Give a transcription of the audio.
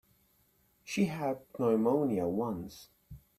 She had pneumonia once.